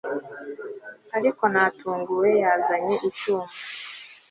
ariko natunguwe yazanye icyuma